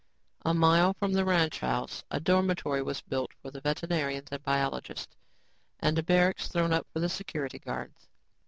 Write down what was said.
A mile from the ranch house, a dormitory was built for the veterinarians and biologists and a barracks thrown up for the security guards.